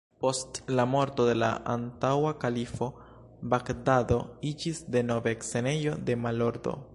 Post la morto de la antaŭa kalifo, Bagdado iĝis denove scenejo de malordo.